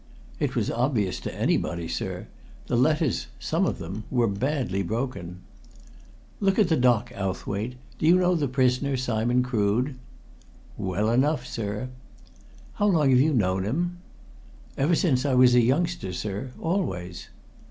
"It was obvious to anybody, sir. The letters some of them were badly broken." "Look at the dock, Owthwaite. Do you know the prisoner, Simon Crood?" "Well enough, sir!" "How long have you known him?" "Ever since I was a youngster, sir always!"